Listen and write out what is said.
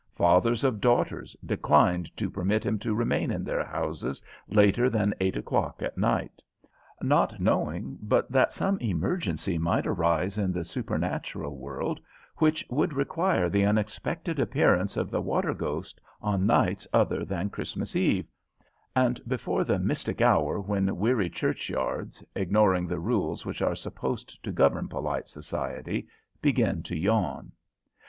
Fathers of daughters declined to permit him to remain in their houses later than eight o'clock at night, not knowing but that some emergency might arise in the supernatural world which would require the unexpected appearance of the water ghost in this on nights other than Christmas Eve, and before the mystic hour when weary churchyards, ignoring the rules which are supposed to govern polite society, begin to yawn.